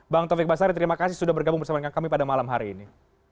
bang taufik basari terima kasih sudah bergabung bersama dengan kami pada malam hari ini